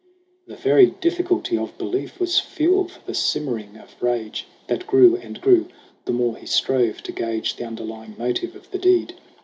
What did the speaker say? The very difficulty of belief Was fuel for the simmering of rage, That grew and grew, the more he strove to gage The underlying motive of the deed.